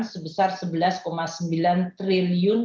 sebesar sebelas sembilan triliun